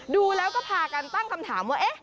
ดูแล้วก็พากันตั้งคำถามว่า